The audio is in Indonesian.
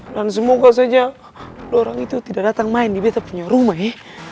dan semoga saja lo orang itu tidak datang main di betap punya rumah ye